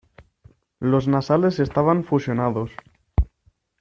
Los nasales estaban fusionados.